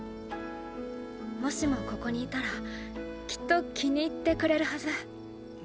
もしもここにいたらきっと気に入ってくれるはず。